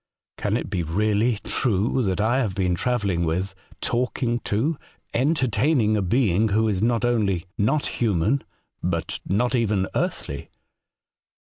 ' Can it be really true that I have been travelling with, talking to, entertaining a being who is not only not human, but not even earthly.'